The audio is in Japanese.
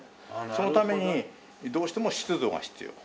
そのためにどうしても湿度が必要。